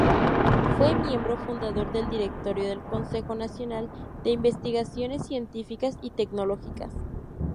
Fue miembro fundador del directorio del Consejo Nacional de Investigaciones Científicas y Tecnológicas.